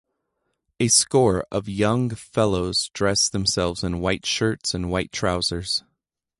A score of young fellows dress themselves in white shirts and white trousers.